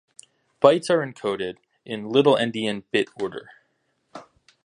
Bytes are encoded in little-endian bit order.